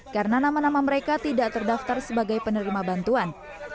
karena nama nama mereka tidak terdaftar sebagai penerima bantuan